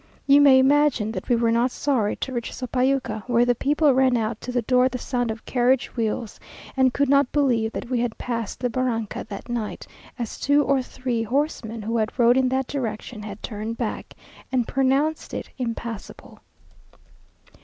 You may imagine that we were not sorry to reach Sopayuca; where the people ran out to the door at the sound of carriage wheels, and could not believe that we had passed the barranca that night; as two or three horsemen who had rode in that direction had turned back, and pronounced it impassable.